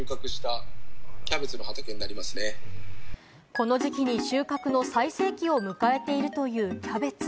この時期に収穫の最盛期を迎えているというキャベツ。